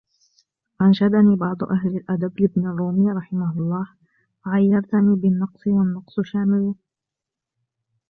وَأَنْشَدَنِي بَعْضُ أَهْلِ الْأَدَبِ لِابْنِ الرُّومِيِّ رَحِمَهُ اللَّهُ أَعَيَّرْتَنِي بِالنَّقْصِ وَالنَّقْصُ شَامِلٌ